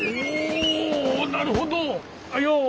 おなるほど！